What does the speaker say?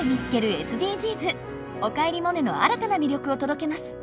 「おかえりモネ」の新たな魅力を届けます。